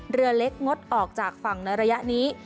เรือเล็กงดออกจากฝั่งในระยะนี้